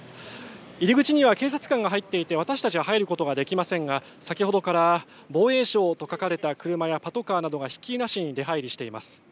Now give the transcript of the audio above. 入り口には警察官が入っていて私たちは入ることができませんが先ほどから防衛省と書かれた車やパトカーなどがひっきりなしに出はいりしています。